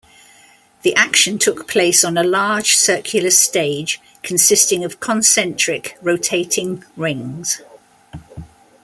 The action took place on a large circular stage consisting of concentric rotating rings.